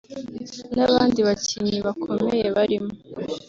n’abandi bakinnyi bakomeye barimo